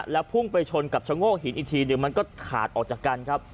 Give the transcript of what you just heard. แล้วพุ่งไปชนกับชะโงกหินอีกทีเดี๋ยวมันก็ขาดออกจากกันครับ